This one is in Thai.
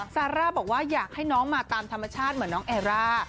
ซาร่าบอกว่าอยากให้น้องมาตามธรรมชาติเหมือนน้องแอร่า